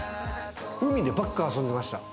海でばっか遊んでました。